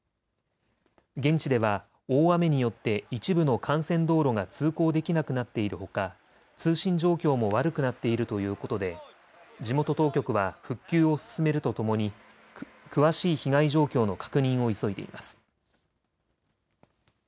現地では大雨によって一部の幹線道路が通行できなくなっているほか通信状況も悪くなっているということで地元当局は復旧を進めるとともに詳しい被害状況の確認を急いでいます。